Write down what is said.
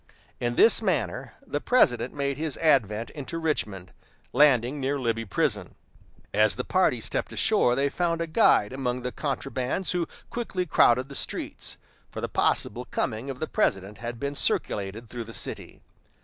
In this manner the President made his advent into Richmond, landing near Libby Prison. As the party stepped ashore they found a guide among the contrabands who quickly crowded the streets, for the possible coming of the President had been circulated through the city.